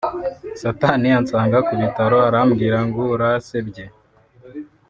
Satani ansanga ku bitaro arambwira ngo urasebye